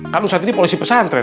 kan ustaz ini polisi pesantren